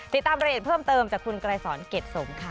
ติดตามรายละเอียดเพิ่มเติมจากคุณไกรสอนเกร็ดสมค่ะ